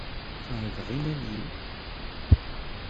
Qeɛdeɣ iman-iw.